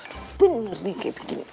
hah bener nih kayak begini